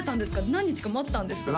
何日か待ったんですかね？